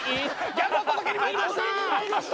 ギャグお届けにまいりました！